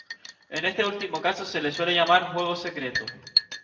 En este último caso se les suele llamar "juegos secretos".